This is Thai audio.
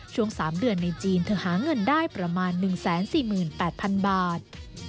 ช่วง๓เดือนในจีนเธอหาเงินได้ประมาณ๑๔๘๐๐๐บาท